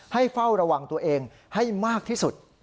เฝ้าระวังตัวเองให้มากที่สุด